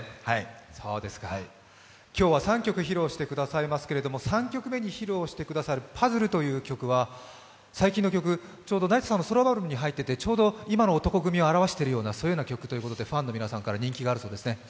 今日は３曲披露してくださいますけれども３曲目に披露してくださる「パズル」という曲は最近の曲、ちょうど成田さんのソロアルバムに入っていて、ちょうど今の男闘呼組を表しているような曲ということでファンの皆さんから人気があるようですね。